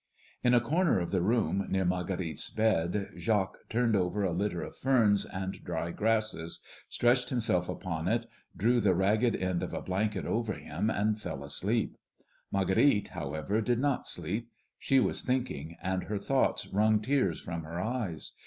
In a corner of the room near Marguerite's bed, Jacques turned over a litter of ferns and dry grasses, stretched himself upon it, drew the ragged end of a blanket over him, and fell asleep. Marguerite, however, did not sleep. She was thinking, and her thoughts wrung tears from her eyes.